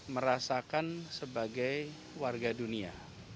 merasakan sebagai warga dunia